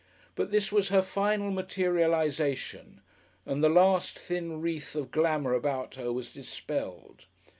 But this was her final materialisation, and the last thin wreath of glamour about her was dispelled.